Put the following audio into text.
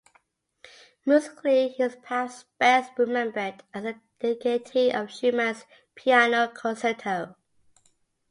Musically he is perhaps best remembered as the dedicatee of Schumann's "Piano Concerto".